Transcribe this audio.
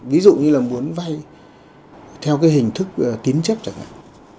ví dụ như muốn vay theo hình thức tín chấp chẳng hạn